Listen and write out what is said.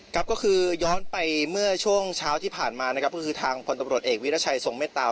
ครับก็คือย้อนไปเมื่อช่วงเช้าที่ผ่านมานะครับก็คือทางพลตำรวจเอกวิรัชัยทรงเมตตา